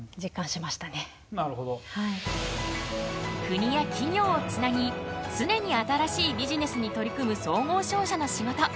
国や企業をつなぎ常に新しいビジネスに取り組む総合商社の仕事。